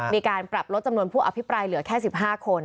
มีการปรับลดจำนวนผู้อภิปรายเหลือแค่๑๕คน